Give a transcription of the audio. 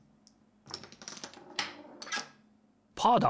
パーだ！